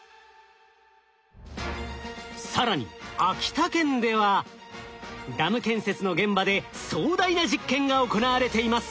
更に秋田県ではダム建設の現場で壮大な実験が行われています。